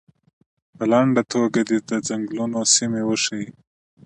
په لنډه توګه دې د څنګلونو سیمې وښیي.